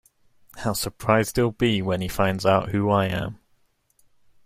How surprised he’ll be when he finds out who I am!